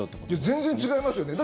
全然違いますよね。